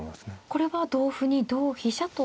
これは同歩に同飛車と。